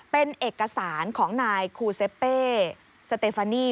เป็นเอกสารของนายคูเซเป้สเตฟานี